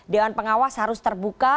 dewan pengawas harus terbuka